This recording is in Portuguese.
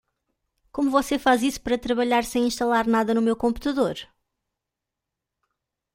Como você faz isso para trabalhar sem instalar nada no meu computador?